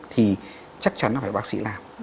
thì chắc chắn là phải bác sĩ làm